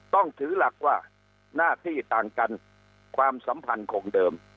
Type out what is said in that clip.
ต้องถือหลักว่าหน้าที่ต่างกันความสัมพันธ์คงเดิม